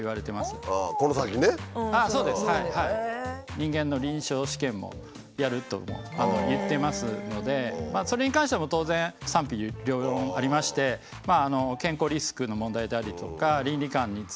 人間の臨床試験もやるとも言ってますのでそれに関しても当然賛否両論ありまして健康リスクの問題であったりとか倫理観についてのハードルもあります。